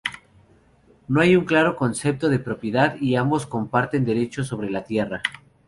No hay un claro concepto de propiedad, y ambos comparten derechos sobre la tierra.